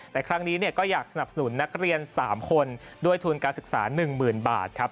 แต่ครั้งนี้ก็อยากสนับสนุนนักเรียน๓คนด้วยทุนการศึกษา๑๐๐๐บาทครับ